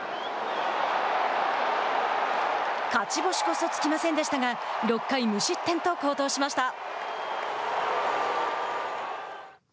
勝ち星こそ付きませんでしたが６回無失点と好投しました。